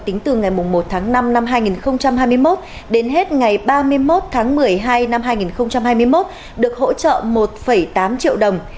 tính từ ngày một tháng năm năm hai nghìn hai mươi một đến hết ngày ba mươi một tháng một mươi hai năm hai nghìn hai mươi một được hỗ trợ một tám triệu đồng